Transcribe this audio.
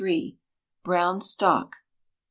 Brown Stock (1).